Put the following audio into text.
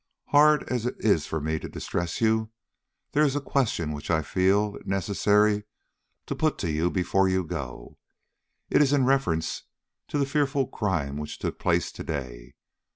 Hard as it is for me to distress you, there is a question which I feel it necessary to put to you before you go. It is in reference to the fearful crime which took place to day.